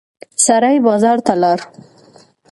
سړی بازار ته لاړ.